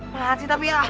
makasih tapi ah